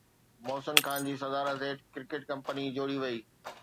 محسن خان جي صدارت هيٺ cricket committee جوڙي وئي